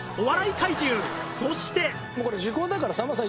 そして。